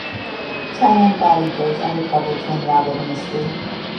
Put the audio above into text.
Cheyenne Bodie goes undercover to unravel the mystery.